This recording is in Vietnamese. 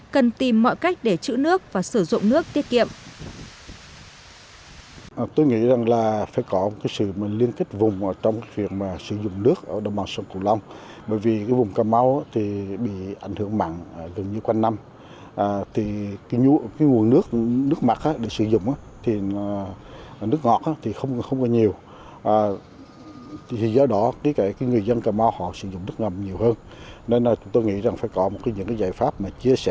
cần tìm mọi cách để chữ nước và sử dụng nước tiết kiệm